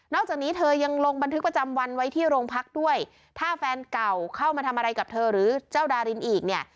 จากนี้เธอยังลงบันทึกประจำวันไว้ที่โรงพักด้วยถ้าแฟนเก่าเข้ามาทำอะไรกับเธอหรือเจ้าดารินอีกเนี่ย